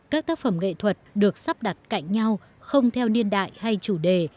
các tác phẩm nghệ thuật được sắp đặt cạnh nhau không theo niên đại hay chủ đề